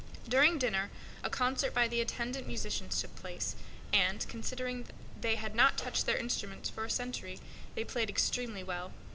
During dinner a concert by the attendant musicians took place, and, considering they had not touched their instruments for a century, they played the old tunes extremely well.